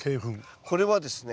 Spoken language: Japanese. これはですね